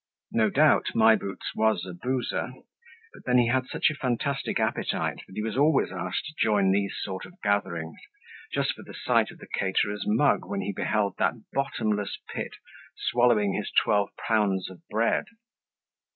No doubt My Boots was a boozer; but then he had such a fantastic appetite that he was always asked to join those sort of gatherings, just for the sight of the caterer's mug when he beheld that bottomless pit swallowing his twelve pounds of bread.